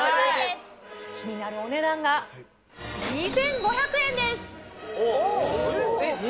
気になるお値段が、２５００おー。